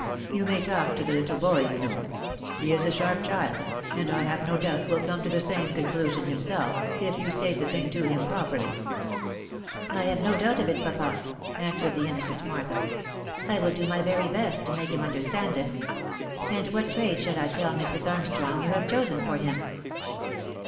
You may talk to the little boy, you know ; he is a sharp child, and I have no doubt will come to the same conclusion himself, if you state the thing to him properly." " I have no doubt of it, papa," answered the innocent Martha; " I will do my very best to make him understand it. And what trade shall I tell Mrs. Armstrong you have chosen for him?"